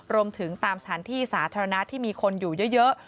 รวมถึงตามสถานที่สาธารณะที่มีคนอยู่เยอะ